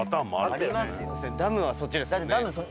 ダムはそっちですもんね。